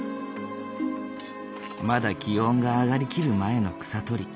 まだ気温が上がりきる前の草取り。